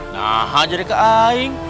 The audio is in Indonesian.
nah aja deh keaing